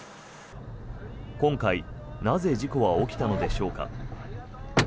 今回、なぜ事故は起きたのでしょうか。